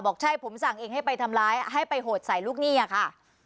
ใช่ผมสั่งเองให้ไปทำร้ายให้ไปโหดใส่ลูกหนี้อะค่ะ